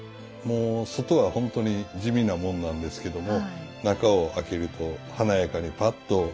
外はほんとに地味なもんなんですけども中を開けると華やかにパッと。